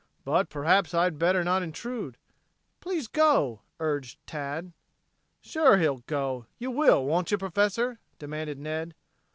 But perhaps I had better not intrude " "Please go," urged Tad. "Sure. He'll go. You will, won't you, Professor?" demanded Ned.